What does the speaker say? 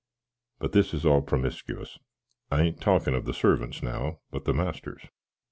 But this is all promiscuous: I an't talkin of the survants now, but the masters.